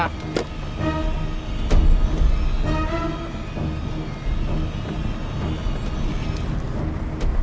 xem phải anh nhé